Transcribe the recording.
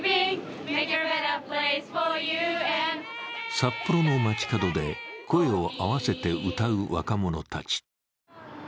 札幌の街角で声を合わせて歌う若者たち。